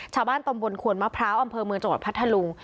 ชาวบ้านตำบลขวนมะพร้าวอำเภอเมืองจังหวัดพัทธลุง